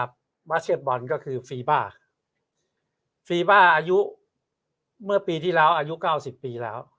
มาเชฟบอลก็คือฟีบ้าฟีบ้าอายุเมื่อปีที่แล้วอายุเก้าสิบปีแล้ว